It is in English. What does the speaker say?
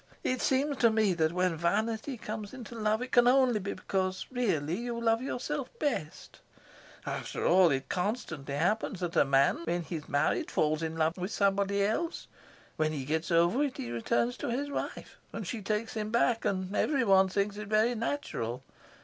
It seems to me that when vanity comes into love it can only be because really you love yourself best. After all, it constantly happens that a man when he's married falls in love with somebody else; when he gets over it he returns to his wife, and she takes him back, and everyone thinks it very natural.